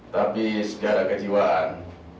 tapi secara kejiwaan